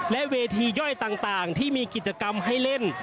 และเวทีย่อยต่างที่มีกิจกรรมให้เล่น